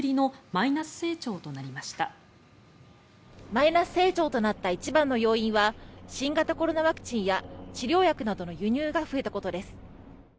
マイナス成長となった一番の要因は新型コロナワクチンや治療薬などの輸入が増えたことです。